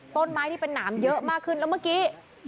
ต้นไม้ที่เป็นหนามเยอะมากขึ้นแล้วเมื่อกี้